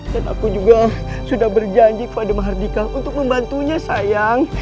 aku juga sudah berjanji pada mahardika untuk membantunya sayang